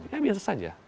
ya biasa saja